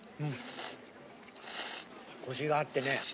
コシがあってね